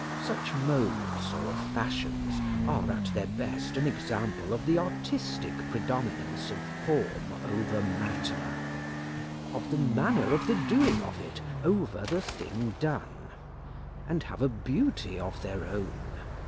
Such modes or fashions are, at their best, an example of the artistic predominance of form over matter; of the manner of the doing of it over the thing done; and have a beauty of their own.